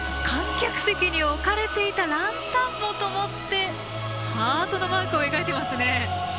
観客席に置かれていたランタンもともってハートのマークを描いていますね。